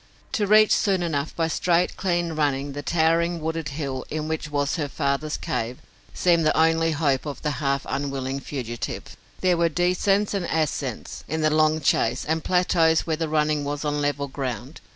To reach soon enough by straight, clean running the towering wooded hill in which was her father's cave seemed the only hope of the half unwilling fugitive. There were descents and ascents in the long chase and plateaus where the running was on level ground.